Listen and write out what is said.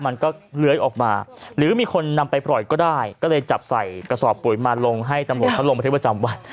มันก็เลื้อยออกมาหรือมีคนนำไปปล่อยก็ได้ก็เลยจับใส่กระสอบปุ๋ยมาลงให้ตำรวจเขาลงบันทึกประจำวัน